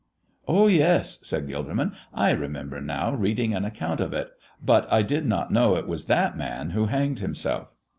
"Oh yes," said Gilderman, "I remember now reading an account of it. But I did not know it was that man who hanged himself."